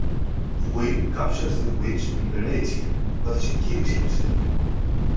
Will captures the witch and berates her but she kills herself.